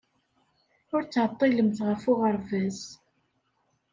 Ur ttɛeḍḍilemt ɣef uɣerbaz.